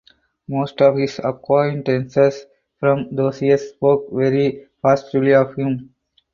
Most of his acquaintances from those years spoke very positively of him.